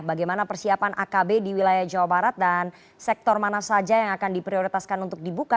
bagaimana persiapan akb di wilayah jawa barat dan sektor mana saja yang akan diprioritaskan untuk dibuka